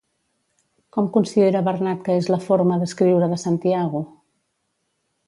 Com considera Bernat que és la forma d'escriure de Santiago?